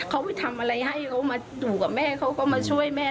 เขาไปทำอะไรให้เขามาอยู่กับแม่เขาก็มาช่วยแม่